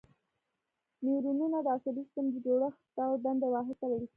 نیورونونه د عصبي سیستم د جوړښت او دندې واحد ته ویل کېږي.